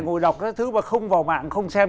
ngồi đọc các thứ và không vào mạng không xem